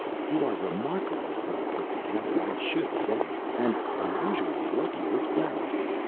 You are remarkably well put together, I should say; and unusually lucky, as well!